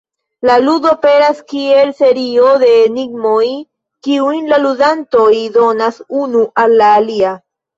Ludo aperas kiel serio de enigmoj, kiujn la ludantoj donas unu al la alia.